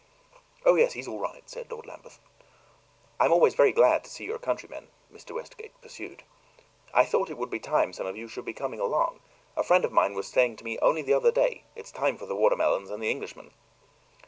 "Oh, yes, he's all right," said Lord Lambeth. "I am always very glad to see your countrymen," Mr. Westgate pursued. "I thought it would be time some of you should be coming along. A friend of mine was saying to me only a day or two ago, 'It's time for the watermelons and the Englishmen."